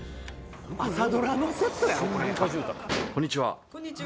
こんにちは